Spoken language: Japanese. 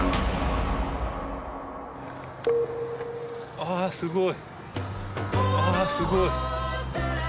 ああすごい。